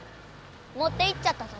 もっていっちゃったぞ。